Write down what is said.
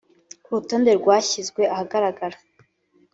Ku rutonde rwashyizwe ahagaragara